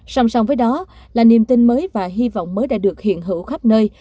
sòng sòng với đó là niềm tin mới và hy vọng mới đã được hiện hữu khắp nơi